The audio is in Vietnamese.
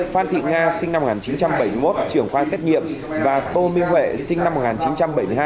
phan thị nga sinh năm một nghìn chín trăm bảy mươi một trưởng khoa xét nghiệm và tô minh huệ sinh năm một nghìn chín trăm bảy mươi hai